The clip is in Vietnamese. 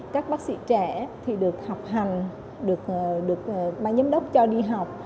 các bác sĩ trẻ thì được học hành được mang nhóm đốc cho đi học